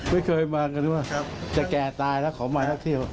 ไม่เคยมากันว่าจะแก่ตายแล้วขอมานักเที่ยว